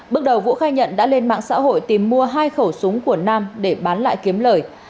bước đầu vũ khai nhận đã lên mạng xã hội tìm mua hai khẩu súng của nam để bán lại kiếm lời